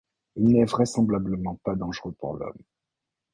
Il n'est vraisemblablement pas dangereux pour l'Homme.